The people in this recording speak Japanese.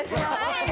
はい！